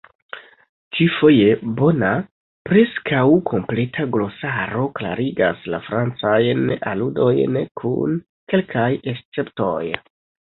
Ĉi-foje bona, preskaŭ kompleta glosaro klarigas la francajn aludojn, kun kelkaj esceptoj.